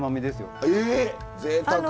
ぜいたく。